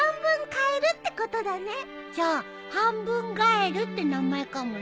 じゃあ半分ガエルって名前かもね。